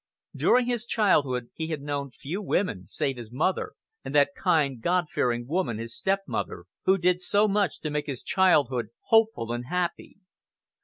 During his childhood he had known few women, save his mother, and that kind, God fearing woman his stepmother, who did so much to make his childhood hopeful and happy.